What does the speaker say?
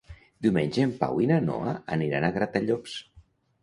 Diumenge en Pau i na Noa aniran a Gratallops.